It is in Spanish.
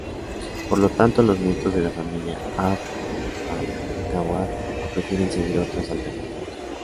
Por lo tanto, los nietos de la familia Abd al-Gawwad prefieren seguir otras alternativas.